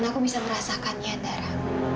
dan aku bisa merasakannya andara